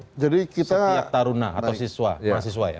setiap taruna atau mahasiswa ya